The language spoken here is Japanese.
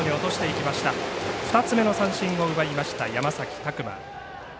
２つ目の三振を奪いました山崎琢磨。